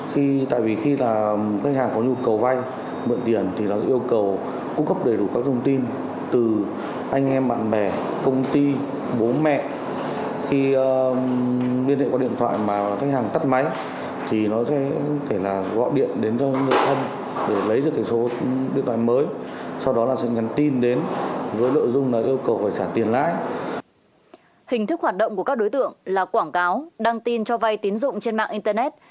hình thức hoạt động của các đối tượng là quảng cáo đăng tin cho vay tín dụng trên mạng internet